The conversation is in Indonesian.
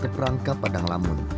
terperangkap padang lamun